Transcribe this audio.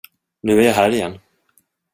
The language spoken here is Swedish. Nu är jag här igen.